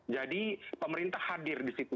pemerintah hadir di situ